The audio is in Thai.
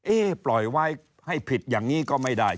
ปล่อยไว้ให้ผิดอย่างนี้ก็ไม่ได้